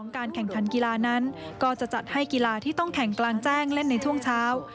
การแข่งขันกีฬานั้นก็จะจัดให้กีฬาที่ต้องแข่งกลางแจ้งเล่นในช่วงเช้า